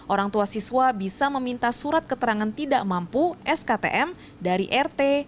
orang tua siswa bisa meminta surat keterangan tidak mampu sktm dari rt